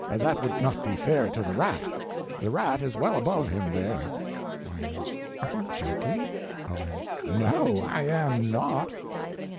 That would not be fair to the rat. The rat is well above him, there. Y.M. Are you joking? O.M. No, I am not.